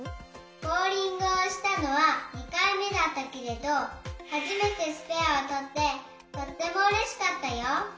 ボウリングをしたのは２かいめだったけれどはじめてスペアをとってとってもうれしかったよ。